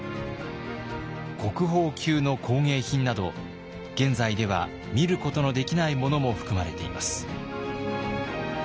国宝級の工芸品など現在では見ることのできないものも含まれています。